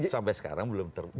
sampai sekarang belum terputuskan